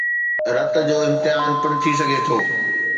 رت جو امتحان پڻ ٿي سگھي ٿو